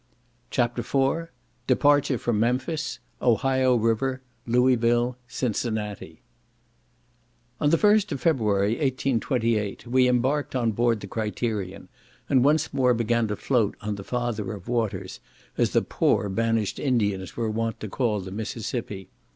CHAPTER IV Departure from Memphis—Ohio River Louisville—Cincinnati On the 1st of February, 1828, we embarked on board the Criterion, and once more began to float on the "father of waters," as the poor banished Indians were wont to call the Mississippi.